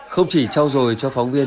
không chỉ trao dồi cho phóng viên